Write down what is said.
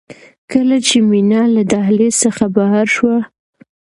کله چې مينه له دهلېز څخه بهر شوه.